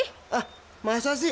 ah masa sih